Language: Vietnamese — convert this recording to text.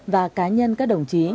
và cá nhân các đồng chí